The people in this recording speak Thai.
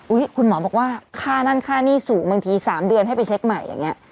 คุณหมอบอกว่าค่านั่นค่าหนี้สูงบางที๓เดือนให้ไปเช็คใหม่อย่างนี้